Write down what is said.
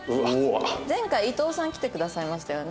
前回伊藤さん来てくださいましたよね。